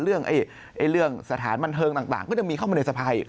เรื่องสถานบันเทิงต่างก็จะมีเข้ามาในสภาอยู่